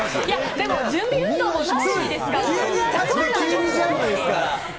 でも、準備運動もなしですか急にだから。